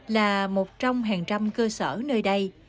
là một trong hàng trăm cơ sở nơi đây